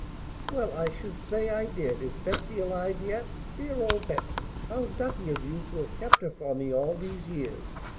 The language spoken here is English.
"Well, I should say I did! Is Betsey alive yet? Dear old Betsey! How ducky of you to have kept her for me all these years!